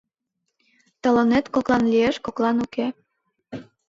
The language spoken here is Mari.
Талонет коклан лиеш, коклан — уке.